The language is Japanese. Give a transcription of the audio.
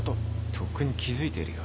とっくに気付いてるよ